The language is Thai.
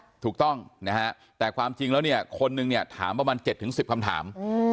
ถูกต้องนะฮะแต่ความจริงแล้วเนี่ยคนนึงเนี่ยถามประมาณ๗๑๐คำถาม